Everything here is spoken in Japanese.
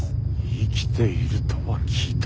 生きているとは聞いた。